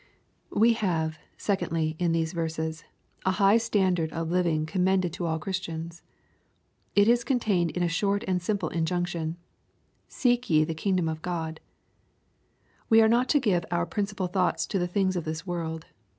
We have, secondly, in these verses, a high standard of living commended to all Christians, It is contained in a short and simple injunction, " Seek ye the kingdom of God/' We are not to give our principal thoughts to the things of this world.